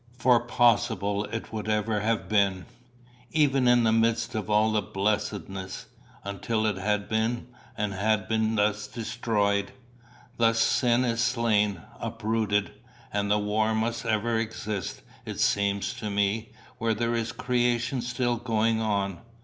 for possible it would ever have been, even in the midst of all the blessedness, until it had been, and had been thus destroyed. Thus sin is slain, uprooted. And the war must ever exist, it seems to me, where there is creation still going on.